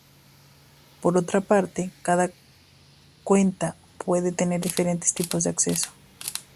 Por otra parte, cada cuenta puede tener diferentes tipos de acceso.